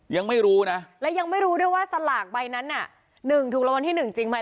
ยังไม่รู้นะและยังไม่รู้ด้วยว่าสลากใบนั้นน่ะ๑ถูกรางวัลที่หนึ่งจริงไหม